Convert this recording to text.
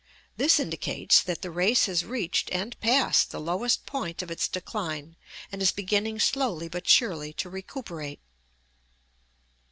This indicates that the race has reached and passed the lowest point of its decline, and is beginning slowly but surely to recuperate.